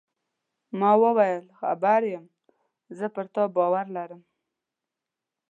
ما وویل: خبر یم، زه پر تا باور لرم.